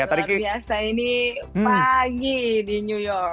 luar biasa ini pagi di new york